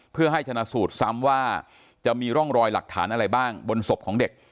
เพื่อให้ชนะสูตรซ้ำว่าจะมีร่องรอยหลักฐานอะไรบ้างบนศพของเด็ก